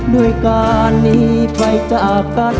ด้วยการหนีไปจากกัน